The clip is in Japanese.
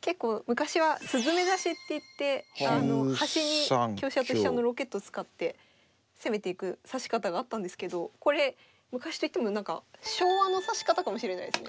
結構昔はスズメ刺しっていって端に香車と飛車のロケット使って攻めていく指し方があったんですけどこれ昔といっても昭和の指し方かもしれないですね。